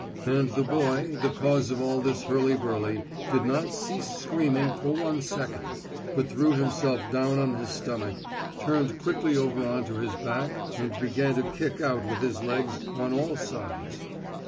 And the boy, the cause of all this hurly burly, did not cease screaming for one second, but threw himself down on his stomach, turned quickly over on to his back, and began to kick out with his legs on all sides.